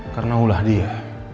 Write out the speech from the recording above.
karena ulah dia